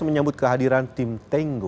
menyambut kehadiran tim tenggo